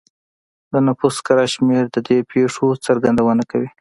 د نفوس کره شمېر د دې پېښو څرګندونه کوي